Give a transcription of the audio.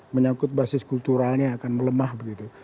menyangkut basis kulturalnya akan melemah begitu